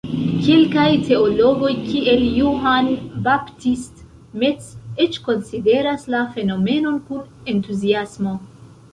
Kelkaj teologoj, kiel Johann Baptist Metz, eĉ konsideras la fenomenon kun entuziasmo.